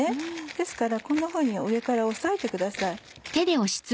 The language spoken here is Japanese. ですからこんなふうに上から押さえてください。